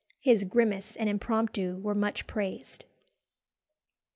His grimace and impromptu were much praised.